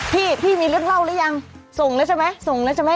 พี่พี่มีเรื่องเล่าหรือยังส่งแล้วใช่ไหมส่งแล้วใช่ไหม